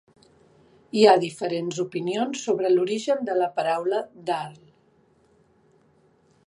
Hi ha diferents opinions sobre l'origen de la paraula "Dari".